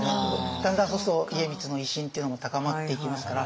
だんだんそうすると家光の威信っていうのも高まっていきますから。